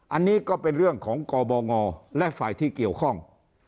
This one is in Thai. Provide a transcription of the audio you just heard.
อันนี้ก็เป็นเรื่องของกบงและฝ่ายที่เกี่ยวข้อง